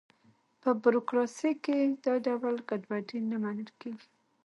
په بروکراسي کې دا ډول ګډوډي نه منل کېږي.